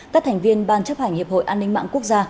các thành viên ban chấp hành hiệp hội an ninh mạng quốc gia